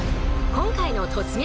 今回の「突撃！